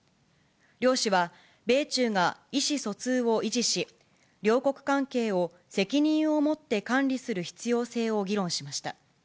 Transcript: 両氏は、米中が意思疎通を維持し、両国関係を責任を持って管理する必要性を議論しました。